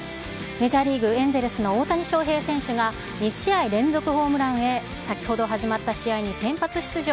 メジャーリーグ・エンゼルスの大谷翔平選手が、２試合連続ホームランへ、先ほど始まった試合に先発出場。